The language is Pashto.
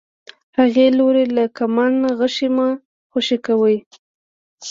هغې لورې له کمانه غشی مه خوشی کوئ.